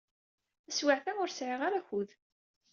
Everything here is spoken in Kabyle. Taswiɛt-a, ur sɛiɣ ara akud.